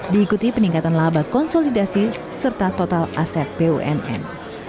diikuti peningkatan laba konsolidasi serta total aset bumn